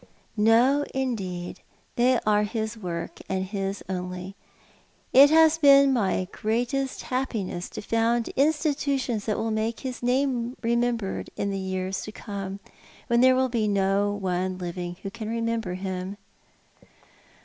" No, indeed. They are his work, and his only. It has been my greatest happiness to found institutions that will make his name remembered in the years to come, when there will be no one living who can remember him."